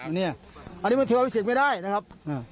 อันนี้มันเทความรู้สึกไม่ได้นะครับ